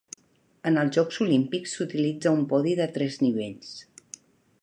En els Jocs Olímpics s'utilitza un podi de tres nivells.